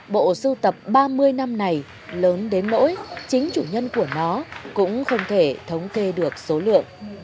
bộ sưu tập ba mươi năm này lớn đến nỗi chính chủ nhân của nó cũng không thể thống kê được số lượng